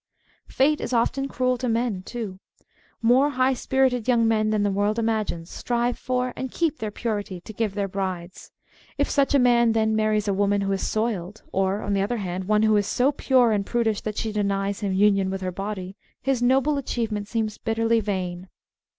Fate is often cruel to men, too. More high spirited young men than the world imagines strive for and 24 Married Love keep their purity to give their brides; if such a man then marries a woman who is soiled, or, on the other hand, one who is so " pure " and prudish that she denies him union with her body, his noble achievement seems bitterly vain.